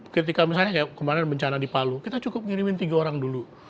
ketika misalnya kayak kemarin bencana di palu kita cukup ngirimin tiga orang dulu